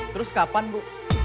terus kapan bu